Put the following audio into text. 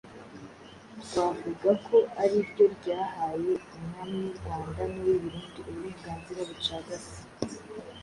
twavuga ko ariryo ryahaye umwami w'u Rwanda n'uw'i Burundi uburenganzira bucagase